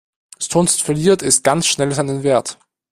Sonst verliert es ganz schnell seinen Wert.